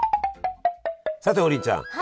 さて王林ちゃん。